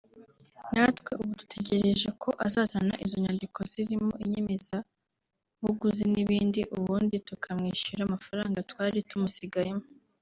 natwe ubu dutegereje ko azazana izo nyandiko zirimo inyemeza buguzi n’ibindi ubundi tukamwishyura amafaranga twari tumusigayemo